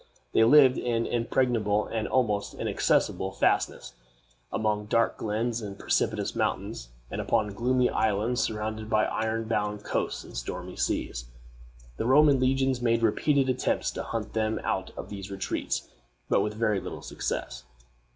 They lived in impregnable and almost inaccessible fastnesses, among dark glens and precipitous mountains, and upon gloomy islands surrounded by iron bound coasts and stormy seas. The Roman legions made repeated attempts to hunt them out of these retreats, but with very little success.